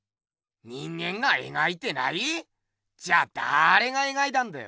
人間がえがいてない⁉じゃだれがえがいたんだよ。